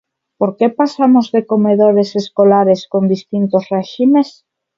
¿Por que pasamos de comedores escolares con distintos réximes?